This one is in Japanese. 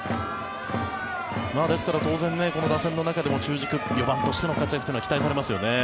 ですから、当然この打線の中でも中軸４番としての活躍が期待されますよね。